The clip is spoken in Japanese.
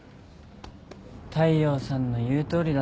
大陽さんの言うとおりだ。